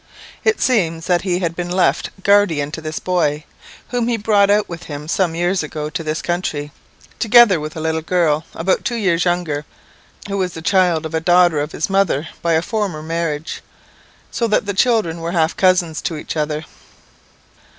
It seems that he had been left guardian to this boy, whom he brought out with him some years ago to this country, together with a little girl about two years younger, who was the child of a daughter of his mother by a former marriage, so that the children were half cousins to each other.